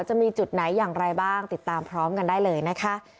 จะมีจุดไหนอย่างไรบ้างติดตามพร้อมกันได้เลยนะคะ